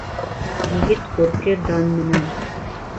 Егет күрке дан менән.